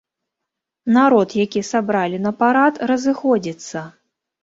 Народ, які сабралі на парад, разыходзіцца.